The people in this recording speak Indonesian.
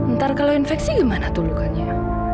ntar kalau infeksi gimana tuh lukanya